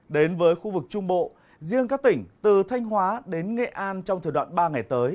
đến với khu vực trung bộ riêng các tỉnh từ thanh hóa đến nghệ an trong thời đoạn ba ngày tới